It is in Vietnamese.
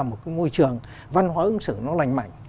một cái môi trường văn hóa ứng xử nó lành mạnh